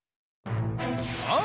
ああ？